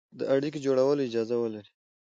د اړيکې د جوړولو اجازه ولري،